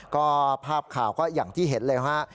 ก็ภาพข่าวก็อย่างที่เห็นเลยฮะ